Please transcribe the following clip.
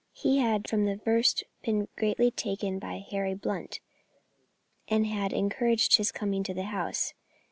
He had from the first been greatly taken by Harry Blunt, and had encouraged his coming to the house.